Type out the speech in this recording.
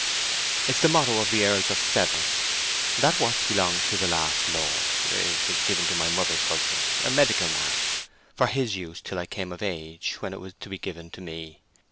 It's the motto of the Earls of Severn. That watch belonged to the last lord, and was given to my mother's husband, a medical man, for his use till I came of age, when it was to be given to me.